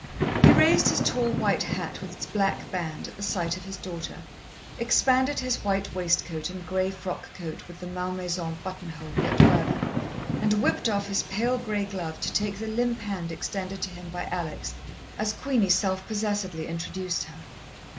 He raised his tall white hat with its black band, at the sight of his daughter, expanded his white waistcoat and grey frock coat with the malmaison buttonhole yet further, and whipped off his pale grey glove to take the limp hand extended to him by Alex, as Queenie self possessedly introduced her.